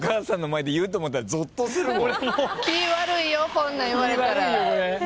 こんなん言われたら。